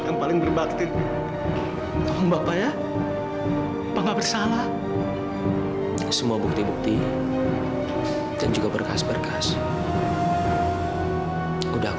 gak ada kata terlambat untuk bisa berubah